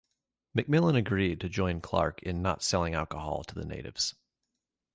McMillan agreed to join Clarke in not selling alcohol to the natives.